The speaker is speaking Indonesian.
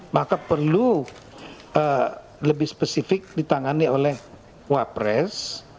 maka perlu lebih spesifik ditangani oleh wapres